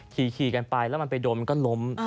ขี่กันไปแล้วมันไปโดนมันก็ล้ม